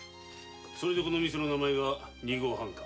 それで店の名前が「二合半」か。